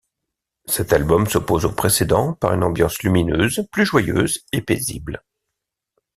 Cet album s'oppose au précédent par une ambiance lumineuse plus joyeuse et paisible.